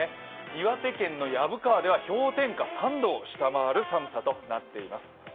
岩手県の薮川では氷点下３度を下回る寒さとなっています。